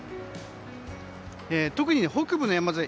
とくに北部の山沿い